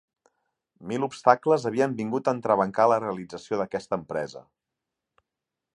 Mil obstacles havien vingut a entrebancar la realització d'aquesta empresa.